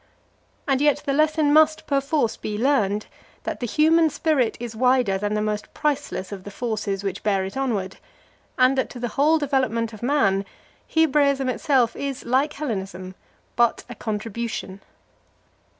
And yet the lesson must perforce be learned, that the human spirit is wider than the most priceless of the forces which bear it onward, and that to the whole development of man Hebraism itself is, like Hellenism, but a contribution.